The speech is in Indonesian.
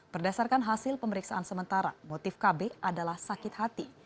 berdasarkan hasil pemeriksaan sementara motif kb adalah sakit hati